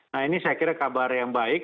nah ini saya kira kabar yang baik